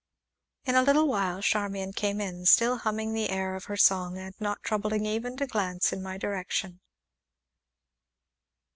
In a little while Charmian came in, still humming the air of her song, and not troubling even to glance in my direction.